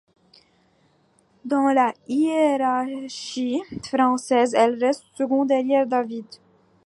Dans la hiérarchie française, elle reste seconde derrière David.